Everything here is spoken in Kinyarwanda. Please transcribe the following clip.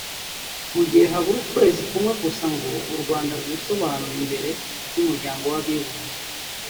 Mu gihe habura ukwezi kumwe gusa ngo u Rwanda rwisobanure imbere y’umuryango w’abibumbye